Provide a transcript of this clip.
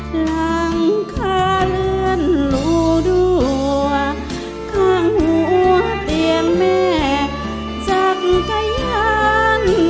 หลังคาเลื่อนรูดัวข้างหัวเตียงแม่จักรยาน